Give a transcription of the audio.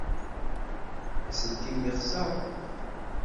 Aselkim yexseṛ.